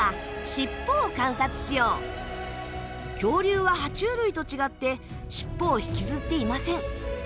恐竜はは虫類と違って尻尾を引きずっていません。